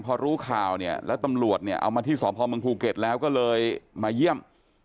พอรู้ข่าวแล้วตำรวจเอามาที่สอบภวร์เมืองภูเก็ตแล้วก็เลยมาเยี่ยม